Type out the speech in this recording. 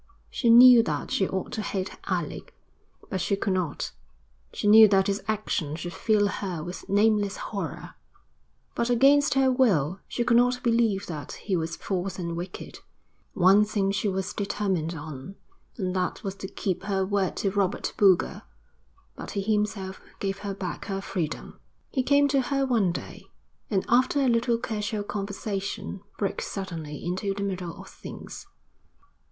She knew that she ought to hate Alec, but she could not. She knew that his action should fill her with nameless horror, but against her will she could not believe that he was false and wicked. One thing she was determined on, and that was to keep her word to Robert Boulger; but he himself gave her back her freedom. He came to her one day, and after a little casual conversation broke suddenly into the middle of things.